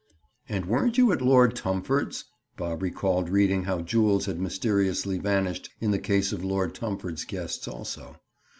"And weren't you at Lord Tumford's?" Bob recalled reading how jewels had mysteriously vanished in the case of Lord Tumford's guests, also.